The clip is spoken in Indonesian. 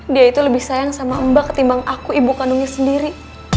dia itu lebih sayang sama mbak ketimbang aku ibu kandungnya sendiri